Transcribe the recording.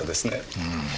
うん。